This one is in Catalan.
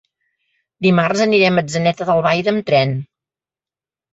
Dimarts anirem a Atzeneta d'Albaida amb tren.